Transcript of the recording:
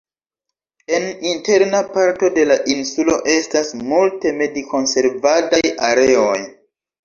En interna parto de la insulo estas multe medikonservadaj areoj.